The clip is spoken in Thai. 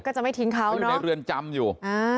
ก็จะไม่ทิ้งเขาอยู่ในเรือนจำอยู่